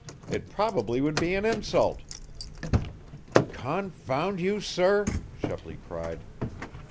"It probably would be an insult." "Confound you, sir!" Shepley cried.